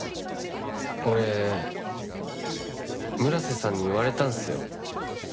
俺村瀬さんに言われたんすよ。